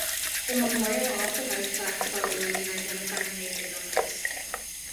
The memorial also has plaques about Linn and identifying major donors.